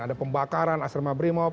ada pembakaran asrama primop